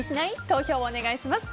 投票をお願いします。